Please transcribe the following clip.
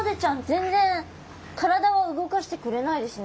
全然体は動かしてくれないですね。